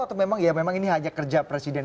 atau memang ini hanya kerja presiden